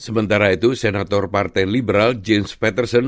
sementara itu senator partai liberal james peterson